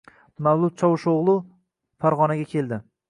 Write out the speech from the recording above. Mavlud Chovusho‘g‘li Farg‘onaga keldi